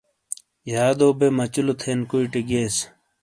یادو بے مچلو تھین کوئی ٹے گیئس۔